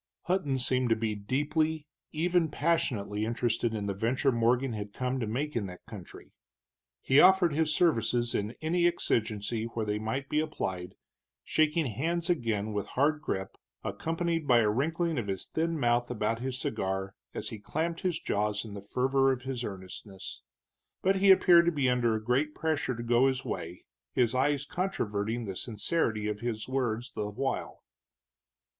Hutton seemed to be deeply, even passionately, interested in the venture Morgan had come to make in that country. He offered his services in any exigency where they might be applied, shaking hands again with hard grip, accompanied by a wrinkling of his thin mouth about his cigar as he clamped his jaws in the fervor of his earnestness. But he appeared to be under a great pressure to go his way, his eyes controverting the sincerity of his words the while.